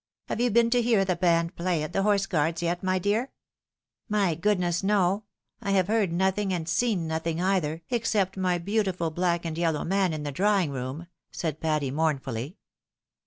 " Have you been to hear the band play at the Horse Guards yet, my dear ?"" My goodness, no ! I have heard nothing, and seen nothing, either, except my beautiful black and yeUow man in the drawing room," said Patty, mournfully.